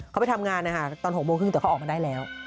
เขาไปทำงานนะคะตอน๖โมงครึ่งแต่เขาออกมาได้แล้ว